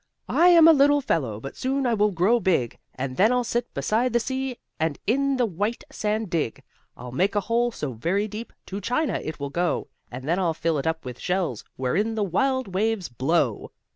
"I am a little fellow, But soon I will grow big. And then I'll sit beside the sea, And in the white sand dig. "I'll make a hole so very deep, To China it will go. And then I'll fill it up with shells Wherein the wild waves blow."